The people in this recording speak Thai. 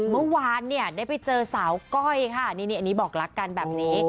เมื่อวานเนี่ยได้ไปเจอสาวก้อยค่ะนี่อันนี้บอกรักกันแบบนี้